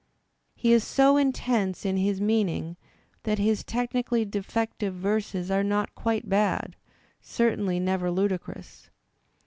He is so intense in his meaning that his technically . defective verses are not quite bad, certainly never ludicrous.